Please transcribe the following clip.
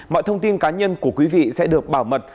mọi thông tin cá nhân của quý vị sẽ được bảo mật